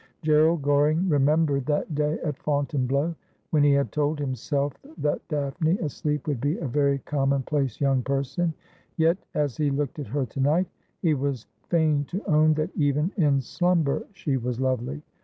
Gerald Groring remembered that day at Fontainebleau when he had told himself that Daphne asleep would be a very common place young person ; yet, as he looked at her to night, he was fain to own that even in slumber she was lovely.